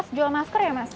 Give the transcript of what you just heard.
mas jual masker ya mas